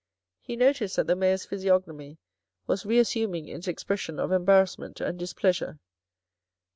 He noticed that the Mayor's physiognomy was re assuming its expression of embarrassment and displeasure.